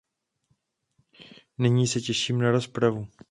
Nyní se těším na rozpravu.